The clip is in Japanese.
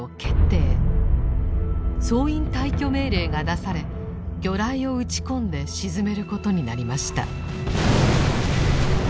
総員退去命令が出され魚雷を撃ち込んで沈めることになりました。